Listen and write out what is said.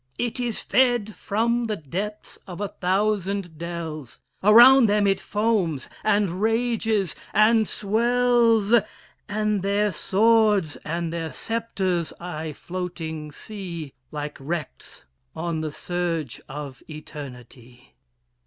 It is fed from the depths of a thousand dells, Around them it foams, and rages, and swells; And their swords and their sceptres I floating see, Like wrecks on the surge of eternity."